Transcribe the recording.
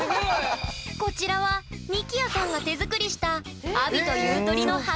こちらはみきやさんが手作りしたアビという鳥のはく製！